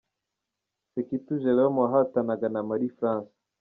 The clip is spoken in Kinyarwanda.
Sekitu Jelome wahatanaga na Marie France.